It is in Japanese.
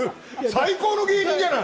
最高の芸人じゃない？